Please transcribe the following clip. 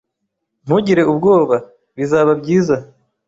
Ntugire ubwoba. Bizaba byiza.